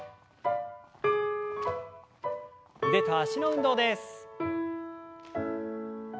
腕と脚の運動です。